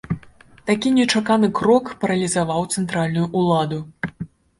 Такі нечаканы крок паралізаваў цэнтральную ўладу.